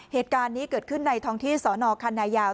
เหตุการณ์นี้เกิดขึ้นในท้องที่สนคันนายาว